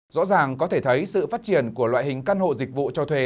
rõ ràng có thể thấy sự phát triển của loại hình căn hộ dịch vụ cho thuê